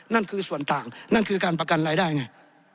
นั่นคือส่วนต่างนั่นคือการประกันรายได้ไง